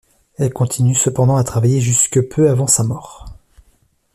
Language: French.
Elle continue cependant à travailler jusque peu avant sa mort.